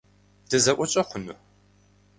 Дызэӏущӏэ хъуну?